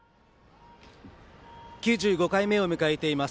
９５回目を迎えています